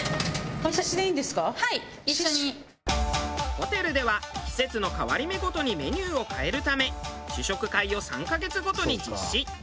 ホテルでは季節の変わり目ごとにメニューを変えるため試食会を３カ月ごとに実施。